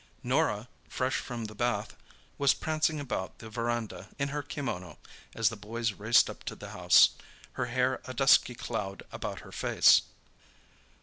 Norah, fresh from the bath, was prancing about the verandah in her kimono as the boys raced up to the house, her hair a dusky cloud about her face.